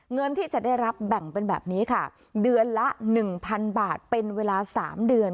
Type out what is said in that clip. เงินที่จะได้รับแบ่งเป็นแบบนี้ค่ะเดือนละ๑๐๐๐บาทเป็นเวลา๓เดือน